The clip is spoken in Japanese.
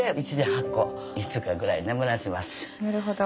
なるほど。